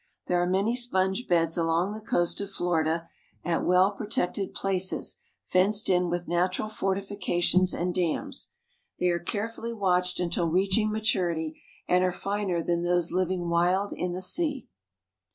There are many sponge beds along the coast of Florida, at well protected places fenced in with natural fortifications and dams. They are carefully watched until reaching maturity, and are finer than those living wild in the sea.